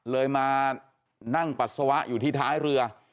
เลยมานั่งปัสสาวะอยู่ที่ท้ายเรือ